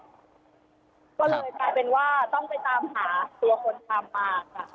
ก็เลยกลายเป็นว่าต้องไปตามหาตัวคนทำมาค่ะ